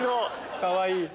かわいい。